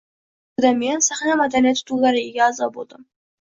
U yerda men «Sahna madaniyati» to‘garagiga a’zo bo‘ldim